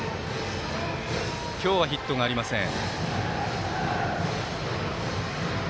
今日はヒットがありません。